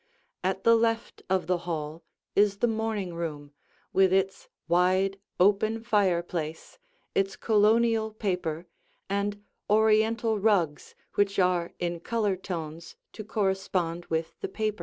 At the left of the hall is the morning room with its wide, open fireplace, its Colonial paper, and Oriental rugs which are in color tones to correspond with the paper.